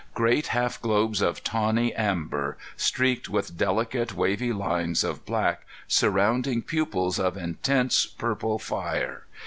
Great half globes of tawny amber, streaked with delicate wavy lines of black, surrounding pupils of intense purple fire.